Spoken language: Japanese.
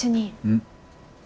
うん？